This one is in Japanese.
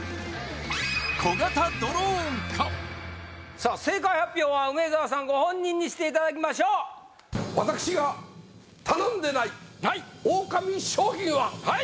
さあ正解発表は梅沢さんご本人にしていただきましょう私が頼んでいないオオカミ商品ははい！